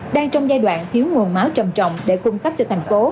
đang trong giai đoạn thiếu nguồn máu trầm trọng để cung cấp cho thành phố